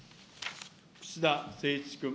串田誠一君。